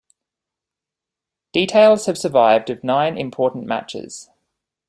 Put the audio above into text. Details have survived of nine important matches.